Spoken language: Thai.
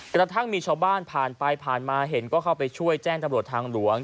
กระทั่งมีชาวบ้านผ่านไปผ่านมาเห็นก็เข้าไปช่วยแจ้งตำรวจทางหลวง